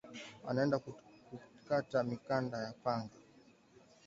Anaenda kukata mikanda ya pango